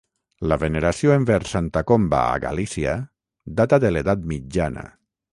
La veneració envers Santa Comba a Galícia data de l'Edat mitjana.